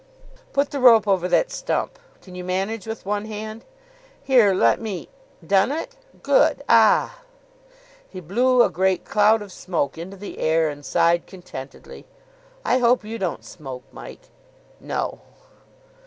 "Put the rope over that stump. Can you manage with one hand? Here, let me Done it? Good. A ah!" He blew a great cloud of smoke into the air, and sighed contentedly. "I hope you don't smoke, Mike?" "No."